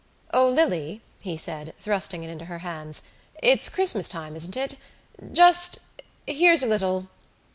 "O Lily," he said, thrusting it into her hands, "it's Christmas time, isn't it? Just ... here's a little...."